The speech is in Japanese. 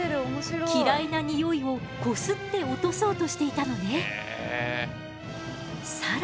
嫌いなニオイをこすって落とそうとしていたのね。